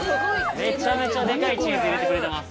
メチャメチャでかいチーズ入れてくれてます